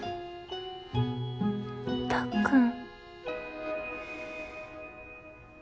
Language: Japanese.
たっくん。